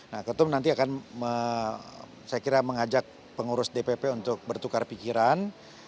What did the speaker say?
nah ketum nanti akan saya kira mengajak pengurus dpp untuk bertukar pikiran